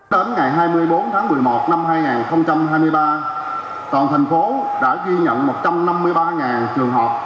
đến ngày hai mươi bốn tháng một mươi một năm hai nghìn hai mươi ba toàn thành phố đã ghi nhận một trăm năm mươi ba trường hợp